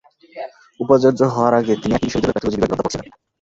উপাচার্য হওয়ার আগে তিনি একই বিশ্ববিদ্যালয়ের প্যাথলজি বিভাগের অধ্যাপক ছিলেন।